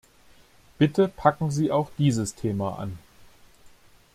Bitte packen Sie auch dieses Thema an!